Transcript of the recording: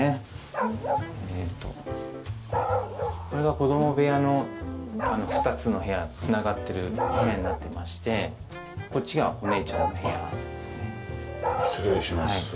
これが子供部屋の２つの部屋繋がってる部屋になってましてこっちがお姉ちゃんの部屋ですね。